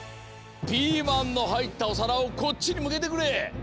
ピーマンのはいったおさらをこっちにむけてくれ。